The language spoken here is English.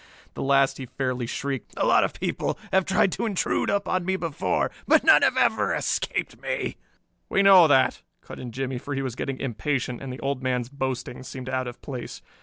The last he fairly shrieked. "A lot of people have tried to intrude upon me before, but none ever escaped me!" "We know that," cut in Jimmie, for he was getting impatient and the old man's boastings seemed out of place.